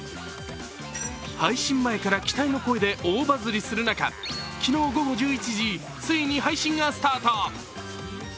配信前から期待の声で大バズりする中、昨日午後１１時、ついに配信がスタート。